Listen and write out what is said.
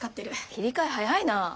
切り替え早いな。